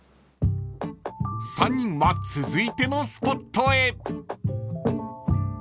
［３人は続いてのスポットへ］